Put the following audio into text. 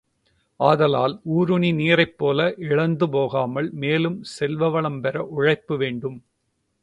ஆதலால், ஊருணி நீரைப்போல இழந்து போகாமல் மேலும் செல்வ வளம் பெற உழைப்பு வேண்டும்.